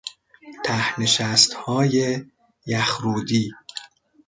ته نشستهای یخرودی